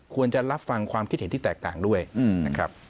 ควรจะรับฟังความคิดเห็นที่แตกต่างด้วยนะครับ